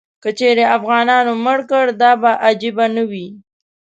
که چیرې افغانانو مړ کړ، دا به عجیبه نه وي.